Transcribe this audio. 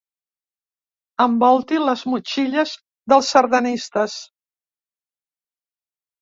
Envolti les motxilles dels sardanistes.